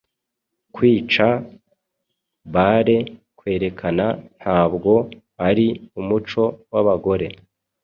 Kwica-bale kwerekana Ntabwo ari umuco wabagore